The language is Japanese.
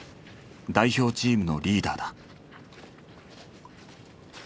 代表チームのリーダーだ。